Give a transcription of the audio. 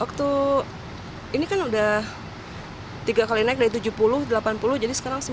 waktu ini kan udah tiga kali naik dari tujuh puluh delapan puluh jadi sekarang sembilan puluh